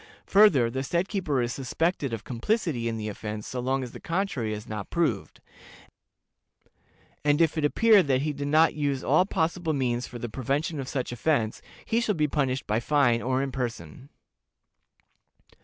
Further, the said keeper is suspected of complicity in the offense so long as the contrary is not proved, and if it appear that he did not use all possible means for the prevention of such offense, he shall be punished by fine or in person.